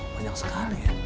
banyak sekali ya